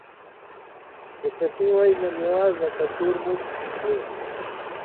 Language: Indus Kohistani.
چے تسی وجہۡ نہ نِوان٘ز نہ تسُور مُت کھِن٘گ بے،